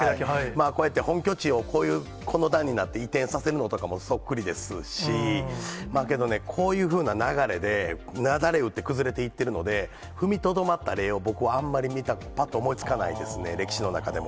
本拠地をこういうこの段になって移転させるのとかもそっくりですし、こういうふうな流れで、雪崩うって崩れているので、踏みとどまった例を、僕はあんまりぱっと思いつかないですね、歴史の中でも。